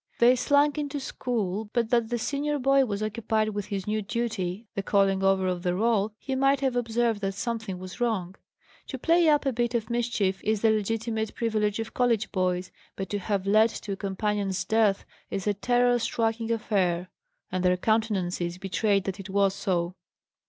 They slunk into school. But that the senior boy was occupied with his new duty the calling over of the roll he might have observed that something was wrong. To play up a bit of mischief is the legitimate privilege of college boys; but to have led to a companion's death is a terror striking affair; and their countenances betrayed that it was so.